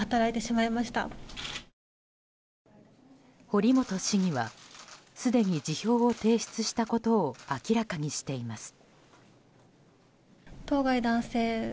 堀本市議はすでに辞表を提出したことを明らかにしています。